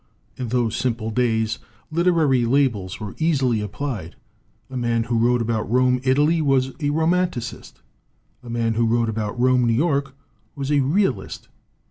In those simple days, literary labels were easily applied. A man who wrote about Rome, Italy, was a romanticist; a man who wrote about Rome, New York, was a Realist.